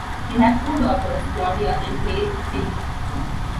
They have two daughters, Claudia and Claire Kelly.